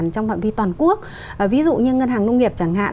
trong phòng nông nghiệp chẳng hạn